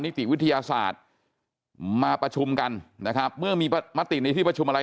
ติวิทยาศาสตร์มาประชุมกันนะครับเมื่อมีมติในที่ประชุมอะไร